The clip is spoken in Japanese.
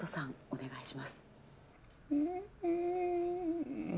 お願いします」ん。